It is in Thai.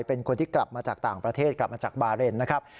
เป็นคนที่กลับมาจากต่างประเทศกลับมาจากบาเรนนะครับ